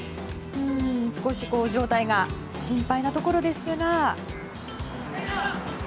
少し状態が心配なところですが。